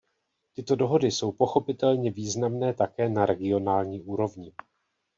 Tyto dohody jsou pochopitelně významné také na regionální úrovni.